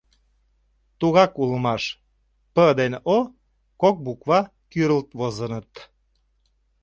Тугак улмаш: «П» ден «О» кок буква кӱрылт возыныт.